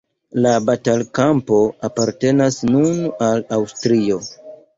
La batalkampo apartenas nun al Aŭstrio.